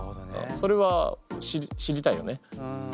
それは知りたいよね？